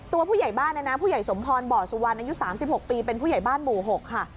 ผู้ใหญ่บ้านนะนะผู้ใหญ่สมพรบ่อสุวรรณอายุ๓๖ปีเป็นผู้ใหญ่บ้านหมู่๖ค่ะ